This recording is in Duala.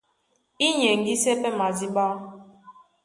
Í nyɛŋgísɛ́ pɛ́ madíɓá.